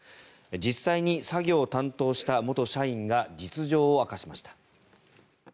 実際に作業を担当した元社員が実情を明かしました。